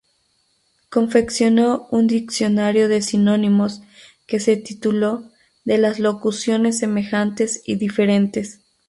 Confeccionó un diccionario de sinónimos, que se tituló "De las locuciones semejantes y diferentes".